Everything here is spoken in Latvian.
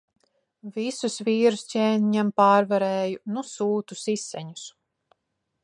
Visus vīrus ķēniņam pārvarēju. Nu sūta siseņus.